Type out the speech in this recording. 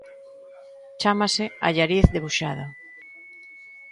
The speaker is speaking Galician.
Chámase Allariz debuxado.